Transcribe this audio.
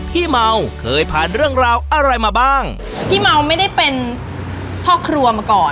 พี่เมาเคยผ่านเรื่องราวอะไรมาบ้างพี่เมาไม่ได้เป็นพ่อครัวมาก่อน